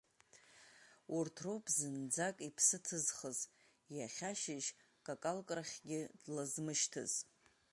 Урҭ роуп зынӡак иԥсы ҭызхыз, иахьа ашьыжь какалкрахьгьы длазмышьҭыз!